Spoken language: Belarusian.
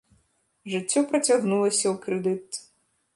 Жыццё працягнулася ў крэдыт.